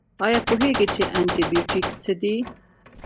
ایا پوهیږئ چې انټي بیوټیک څه دي؟